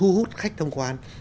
mà có thu hút khách thông quan